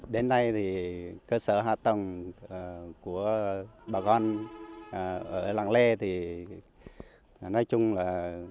đến nay thì cơ sở hạ tầng của bà con ở làng lê thì nói chung là